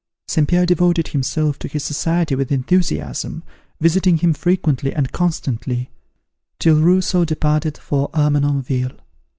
St. Pierre devoted himself to his society with enthusiasm, visiting him frequently and constantly, till Rousseau departed for Ermenonville.